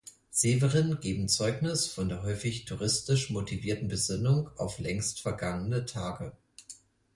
Severin“ geben Zeugnis von der häufig touristisch motivierten Besinnung auf längst vergangene Tage.